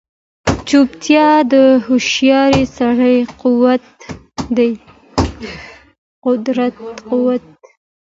چوپتیا، د هوښیار سړي قوت دی.